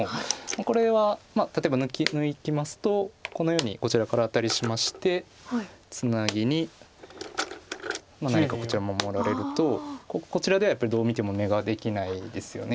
これは例えば抜きますとこのようにこちらからアタリしましてツナギに何かこちら守られるとこちらではやっぱりどう見ても眼ができないですよね。